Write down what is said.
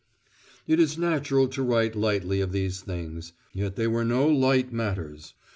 It is natural to write lightly of these things; yet they were no light matters.